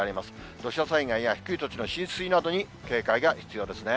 土砂災害や低い土地の浸水などに警戒が必要ですね。